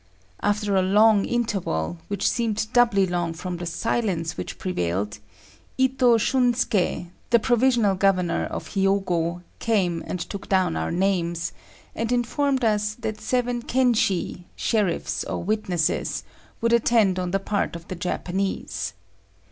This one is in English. After a long interval, which seemed doubly long from the silence which prevailed, Itô Shunské, the provisional Governor of Hiogo, came and took down our names, and informed us that seven kenshi, sheriffs or witnesses, would attend on the part of the Japanese.